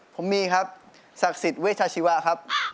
ผมมีครับศักดิ์สิทธิ์เวชาชีวะครับ